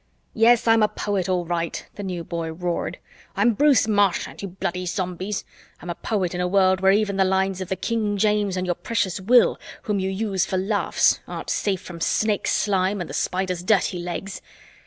"Yes, I'm a poet, all right," the New Boy roared. "I'm Bruce Marchant, you bloody Zombies. I'm a poet in a world where even the lines of the King James and your precious Will whom you use for laughs aren't safe from Snakes' slime and the Spiders' dirty legs.